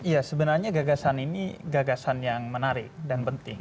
ya sebenarnya gagasan ini gagasan yang menarik dan penting